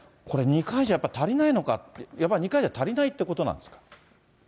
これ、２回じゃやっぱり足りないのか、やっぱり２回じゃ足りないってことなんですか？